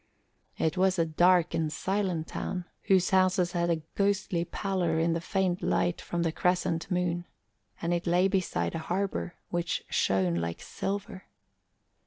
It was a dark and silent town, whose houses had a ghostly pallor in the faint light from the crescent moon, and it lay beside a harbour which shone like silver.